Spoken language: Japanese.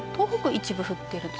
一部降っていると。